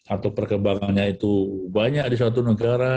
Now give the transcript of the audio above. atau perkembangannya itu banyak di suatu negara